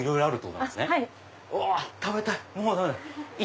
うわ食べたい！